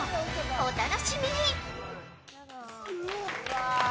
お楽しみに。